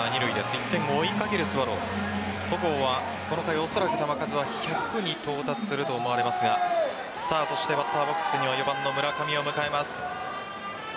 １点を追いかけるスワローズ戸郷はこの回おそらく球数１００に到達すると思われますがバッターボックスには４番・村上を迎えます。